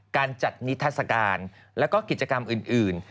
การจัดนิทัศกาลแล้วก็กิจกรรมอื่น